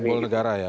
simbol negara ya